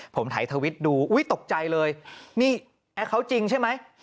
ผมถ่ายทวิตดูอุ้ยตกใจเลยนี่แอคเคาน์จริงใช่ไหม